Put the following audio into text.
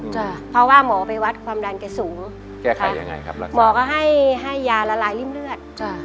จ้ะเพราะว่าหมอไปวัดความดันแกสูงแก้ไขยังไงครับหมอก็ให้ให้ยาละลายริ่มเลือดจ้ะ